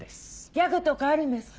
ギャグとかあるんですか？